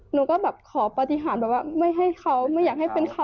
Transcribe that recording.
หนูก็แบบขอปฏิหารแบบว่าไม่ให้เขาไม่อยากให้เป็นเขา